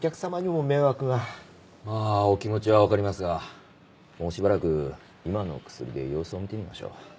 まあお気持ちはわかりますがもうしばらく今の薬で様子を見てみましょう。